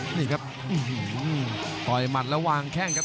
นี่ครับต่อยหมัดแล้ววางแข้งครับ